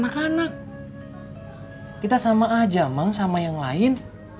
kita sama aja mang sama yang lain